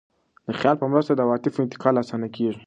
د خیال په مرسته د عواطفو انتقال اسانه کېږي.